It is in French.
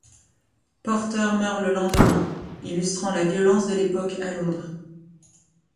Porter meurt le lendemain, illustrant la violence de l'époque à Londres.